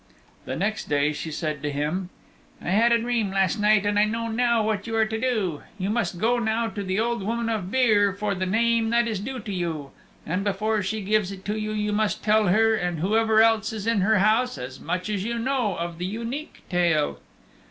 The next day she said to him, "I had a dream last night, and I know now what you are to do. You must go now to the Old Woman of Beare for the name that is due to you. And before she gives it to you, you must tell her and whoever else is in her house as much as you know of the Unique Tale."